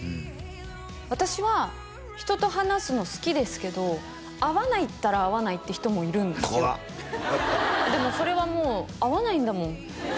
私は人と話すの好きですけど合わないったら合わないって人もいるんですよ怖っでもそれはもう合わないんだもん